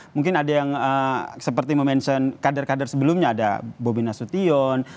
mungkin ada yang seperti mention kader kader sebelumnya ada bobi nasution